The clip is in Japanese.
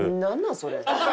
それ。